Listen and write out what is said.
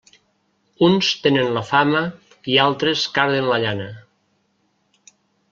Uns tenen la fama i altres carden la llana.